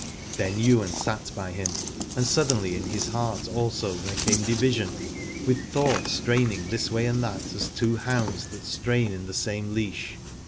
Then Ywain sat by him, and suddenly in his heart also there came division, with thoughts straining this way and that as two hounds that strain in the same leash.